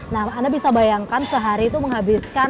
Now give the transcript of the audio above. nah anda bisa bayangkan sehari itu menghabiskan